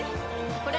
これ！